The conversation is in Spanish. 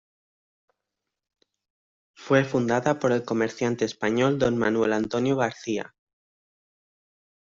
Fue fundada por el comerciante español Don Manuel Antonio García.